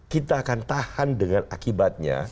kita akan tahan dengan akibatnya